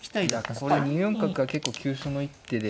この２四角が結構急所の一手で。